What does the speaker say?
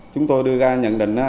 chúng tôi đưa ra nhận định